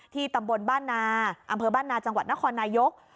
ตำบลบ้านนาอำเภอบ้านนาจังหวัดนครนายก